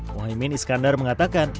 muhyemin iskandar mengatakan